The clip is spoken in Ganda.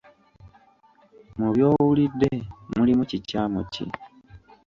Mu by’owulidde mulimu kikyamu ki?